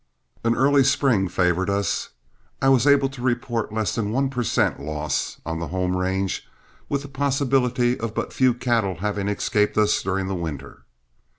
An early spring favored us. I was able to report less than one per cent. loss on the home range, with the possibility of but few cattle having escaped us during the winter.